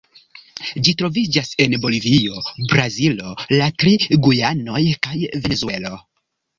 Ĝi troviĝas en Bolivio, Brazilo, la tri Gujanoj kaj Venezuelo.